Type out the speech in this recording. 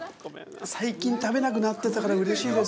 最近、食べなくなってたから、うれしいです。